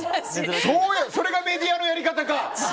それがメディアのやり方か。